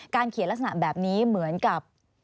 เขียนลักษณะแบบนี้เหมือนกับ